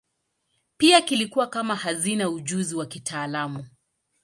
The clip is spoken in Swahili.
Pia kilikuwa kama hazina ya ujuzi wa kitaalamu.